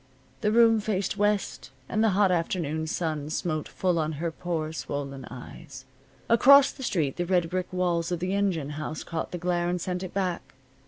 The room faced west, and the hot afternoon sun smote full on her poor swollen eyes. Across the street the red brick walls of the engine house caught the glare and sent it back.